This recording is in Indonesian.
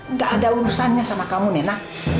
nggak ada urusannya sama kamu nena